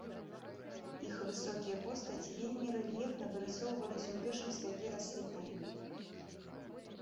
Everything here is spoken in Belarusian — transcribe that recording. Іх высокія постаці вельмі рэльефна вырысоўваліся ў першым святле рассвітання.